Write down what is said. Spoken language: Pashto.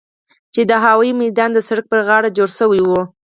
چې د هوايي ميدان د سړک پر غاړه جوړ سوي وو.